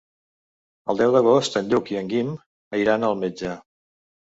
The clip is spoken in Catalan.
El deu d'agost en Lluc i en Guim iran al metge.